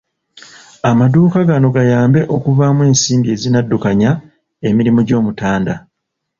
Amaduuka gano gayambe okuvaamu ensimbi ezinaddukanya emirimu gy'Omutanda